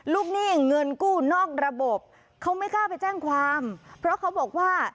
หนี้เงินกู้นอกระบบเขาไม่กล้าไปแจ้งความเพราะเขาบอกว่า